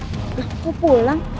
lah kok pulang